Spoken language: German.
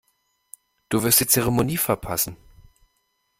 Du wirst die Zeremonie verpassen.